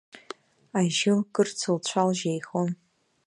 Ажьы лкырц лцәалжь еихон.